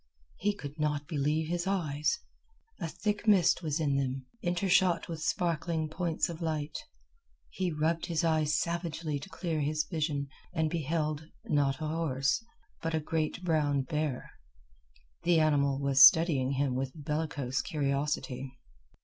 He could not believe his eyes. A thick mist was in them, intershot with sparkling points of light. He rubbed his eyes savagely to clear his vision, and beheld, not a horse, but a great brown bear. The animal was studying him with bellicose curiosity.